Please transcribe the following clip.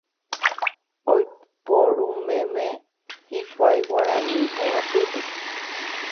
Oiporumeme hikuái guarani hogapýpe.